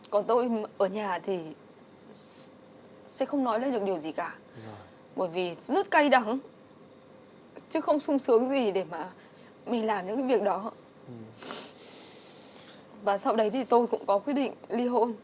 và khi con quyết định li hôn thì